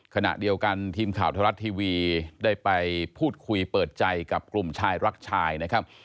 ขณะเดียวกันทีมข่าวธรรมรัฐทีวีได้ไปพูดคุยเปิดใจกับกลุ่มชายรักชายนะครับ